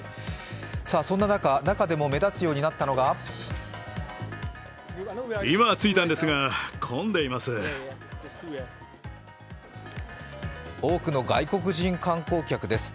そんな中、中でも目立つようになったのが多くの外国人観光客です。